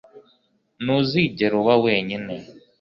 Ntuzigera uba wenyine